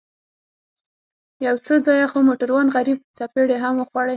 يو څو ځايه خو موټروان غريب څپېړې هم وخوړې.